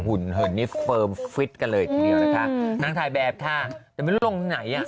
หุ่นเหินนี้เฟิร์มฟิตกันเลยทีเดียวนะคะนางถ่ายแบบค่ะแต่ไม่รู้ลงไหนอ่ะ